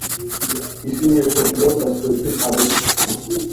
ისინი ერთობლივად დასავლეთი კარპატების შიგნით წარმოქმნიან ცალკე გეომორფოლოგიურ ოლქს.